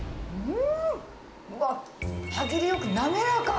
うわっ、歯切れよく滑らか。